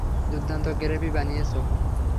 দুর্দান্ত গ্রেভি বানিয়েছ।